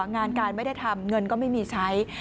งานการไม่ได้ทำเงินก็ไม่มีใช้